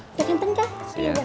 udah ganteng kak